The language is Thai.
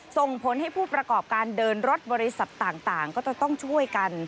ส่งผลให้ผู้ประกอบการเดินรถบริษัทต่างก็จะต้องช่วยกัน